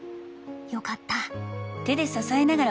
よかった。